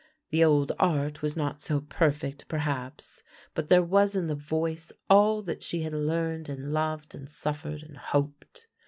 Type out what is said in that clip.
The old art was not so perfect perhaps, but there was in the voice all that she had learned and loved and suffered and hoped.